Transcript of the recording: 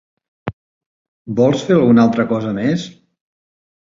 Vols fer alguna altra cosa més?